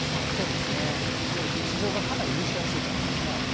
そうですね、地上がかなり蒸し暑いからですね。